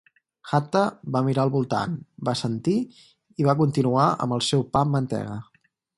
Hatta va mirar al voltant, va assentir i va continuar amb el seu pa amb mantega.